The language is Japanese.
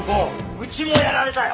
うちもやられたよ。